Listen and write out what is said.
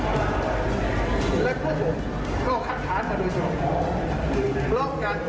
แล้วพวกผมก็เอาคันฐานมาโดยเจ้า